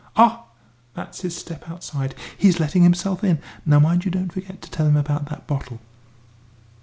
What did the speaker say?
Ah, that's his step outside ... he's letting himself in. Now mind you don't forget to tell him about that bottle."